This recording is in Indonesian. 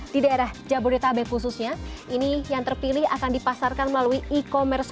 di daerah jabodetabek khususnya ini yang terpilih akan dipasarkan melalui e commerce